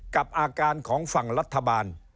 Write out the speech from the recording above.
กับอาการของฝั่งรัฐบาล